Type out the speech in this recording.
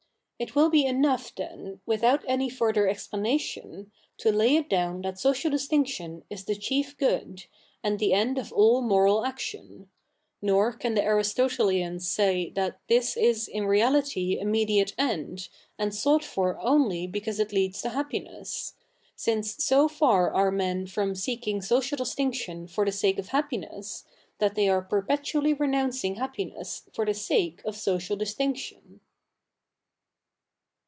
It will be e?iough then, without a?iy further expla7iation, to lay it dow?i that social disti?ictio7i is the chief good, and the e7id of all 77ioral action : nor can the CH. i] THE NEW REPUBLIC 117 Aristotelians say that this is i?t reality a jnediate end, a?id sought for o)dy because it leads to happiness ; since so far are ??ien from seeking social distinction for the sake of happiness, that they are perpetually renou7icing happiness for the sake of social distinction.